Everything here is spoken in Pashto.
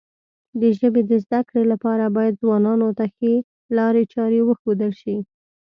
د ژبې د زده کړې لپاره باید ځوانانو ته ښې لارې چارې وښودل شي.